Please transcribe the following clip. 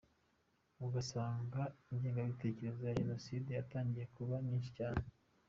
Ugasanga ingengabitekerezo ya Jenoside yatangiye kuba nyinshi cyane.